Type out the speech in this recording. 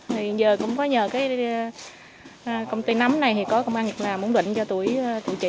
thì giờ cũng có nhờ cái công ty nấm này thì có công an việc làm ổn định cho tuổi tự trị